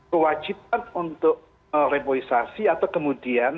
kewajiban untuk reboisasi atau kemudian